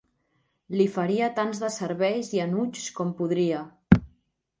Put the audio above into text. Li faria tants desserveis i enuigs com podria.